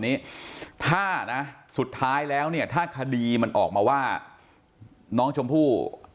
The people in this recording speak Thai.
นี้ถ้านะสุดท้ายแล้วเนี่ยถ้าคดีมันออกมาว่าน้องชมพู่